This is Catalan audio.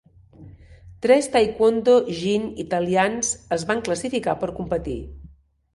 Tres taekwondo jin italians es van classificar per competir.